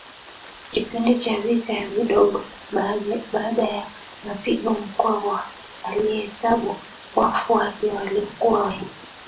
Kipindi cha vita vidogo Baada ya mapigano Mkwawa alihesabu wafu wake waliokuwa wengi